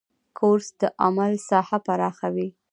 کورس د عمل ساحه پراخوي.